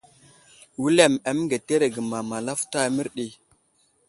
Wulem aməŋgeterege ma I malafto a mərɗi.